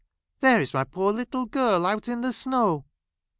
there is my poor ij little girl out in the snow